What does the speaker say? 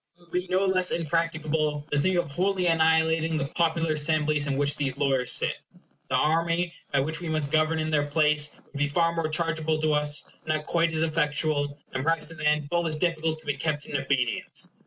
It would be no less impracticable to think of wholly annihilating the popular assemblies in which these lawyers sit. The army, by which we must govern in their place, would be far more chargeable to us, not quite so effectual, and perhaps in the end full as difficult to be kept in obedience.